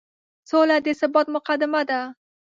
سوله د ثبات مقدمه ده.